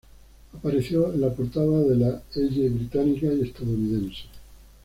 Apareció en la portada de la "Elle" británica y estadounidense.